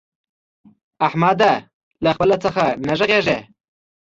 احمده! له خپله څخه نه رغېږي.